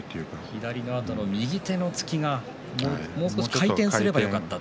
左のあと、右手の突きが回転すればよかったと。